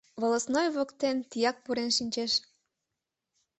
Волостной воктен тияк пурен шинчеш.